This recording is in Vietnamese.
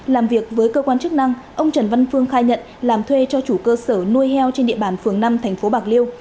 làm việc với cơ quan chức năng ông trần văn phương khai nhận làm thuê cho chủ cơ sở nuôi heo trên địa bàn phường năm tp bạc liêu